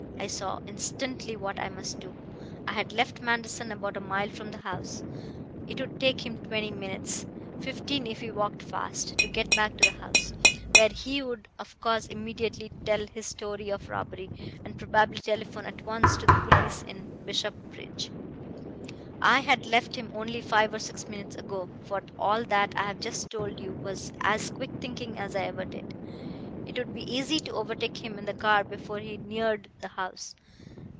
I saw instantly what I must do. I had left Manderson about a mile from the house. It would take him twenty minutes, fifteen if he walked fast, to get back to the house, where he would of course immediately tell his story of robbery, and probably telephone at once to the police in Bishopsbridge. I had left him only five or six minutes ago for all that I have just told you was as quick thinking as I ever did. It would be easy to overtake him in the car before he neared the house.